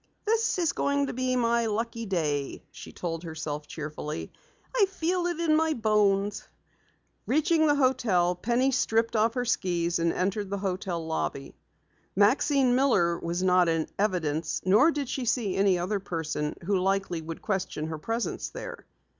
"This is going to be my lucky day," she told herself cheerfully. "I feel it in my bones." Reaching the hotel, Penny stripped off her skis and entered the hotel lobby. Maxine Miller was not in evidence nor did she see any other person who likely would question her presence there.